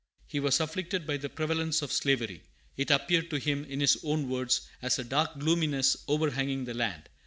He was afflicted by the prevalence of slavery. It appeared to him, in his own words, "as a dark gloominess overhanging the land."